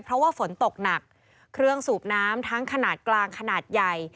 เพราะว่าฝนตกหนักเครื่องสูบน้ำทั้งขนาดกลางขนาดใหญ่